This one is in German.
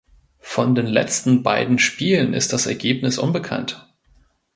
Von den letzten beiden Spielen ist das Ergebnis unbekannt.